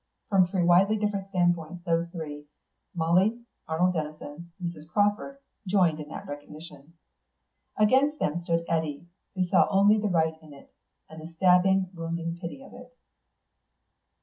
From three widely different standpoints those three, Molly, Arnold Denison, Mrs. Crawford, joined in that recognition. Against them stood Eddy, who saw only the right in it, and the stabbing, wounding pity of it....